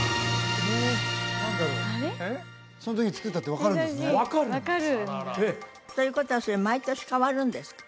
そのときに作ったって分かるんですねということはそれ毎年変わるんですか？